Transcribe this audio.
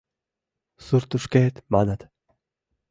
— Суртышкет, манат...